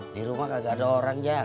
di rumah kagak ada orang jak